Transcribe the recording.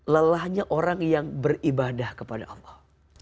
lelahnya orang yang beribadah kepada allah